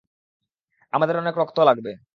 আমাদের অনেক রক্ত লাগবে।